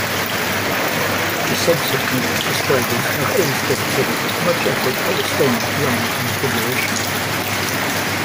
The subsequent describers have always dedicated much effort at restoring the armour configuration.